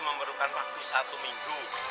memerlukan waktu satu minggu